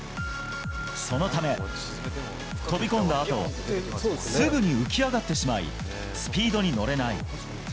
そのため、飛び込んだあとすぐに浮き上がってしまい、スピードに乗れない。